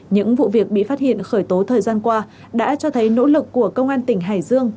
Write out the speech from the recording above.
những vụ việc bị phát hiện khởi tố thời gian qua đã cho thấy nỗ lực của công an tỉnh hải dương